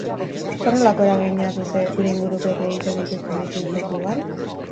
Zer nolako eragina dute gure ingurukoek egiten dituzten ekintzek gugan?